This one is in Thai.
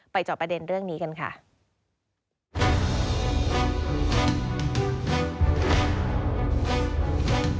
จอบประเด็นเรื่องนี้กันค่ะ